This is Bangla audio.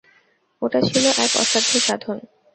ওটা ছিল এক অসাধ্য সাধন।